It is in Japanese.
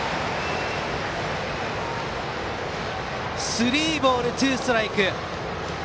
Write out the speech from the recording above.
スリーボール、ツーストライク。